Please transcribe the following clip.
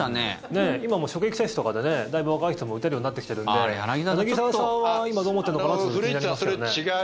今、職域接種とかでねだいぶ若い人も打てるようになってきてるんで柳澤さんは今どう思ってるのかなって古市さん、それ違う。